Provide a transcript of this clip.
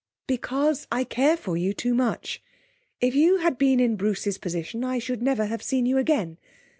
'Because I care for you too much. If you had been in Bruce's position I should never have seen you again.